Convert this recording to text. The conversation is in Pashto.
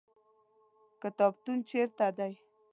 کتابتون چیرته دی؟